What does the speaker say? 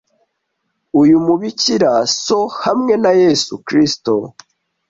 uyu mubikira so hamwe na yesu kristo